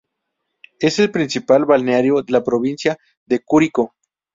Es el principal balneario de la provincia de Curicó.